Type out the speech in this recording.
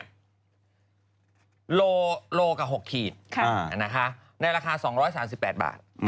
ตอนนี้โลกะ๖ขีดนะคะในราคา๒๓๘บาท